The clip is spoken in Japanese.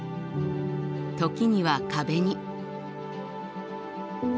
時には壁に。